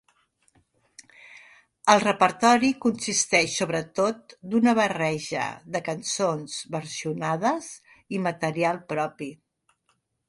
El repertori consisteix sobretot d'una barreja de cançons versionades i material propi.